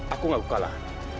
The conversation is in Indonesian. aku gak mau kalah